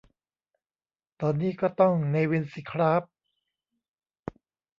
ตอนนี้ก็ต้อง 'เนวิน' สิคร้าบ